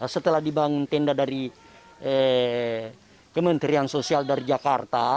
setelah dibangun tenda dari kementerian sosial dari jakarta